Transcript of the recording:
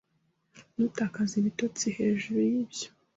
Ntutakaze ibitotsi hejuru yibyo